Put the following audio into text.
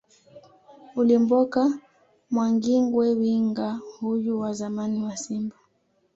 Ulimboka Mwangingwe Winga huyu wa zamani wa Simba